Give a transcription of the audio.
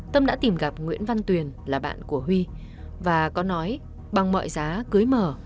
tâm đã tìm gặp nguyễn văn tuyền là bạn của huy và có nói bằng mọi giá cưới mở kể cả sẽ gây tai nạn giao thông đối với huy